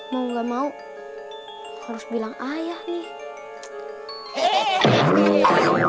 mau gak mau harus bilang ayah nih